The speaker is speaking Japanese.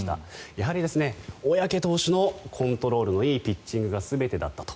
やはり小宅投手のコントロールのいいピッチングが全てだったと。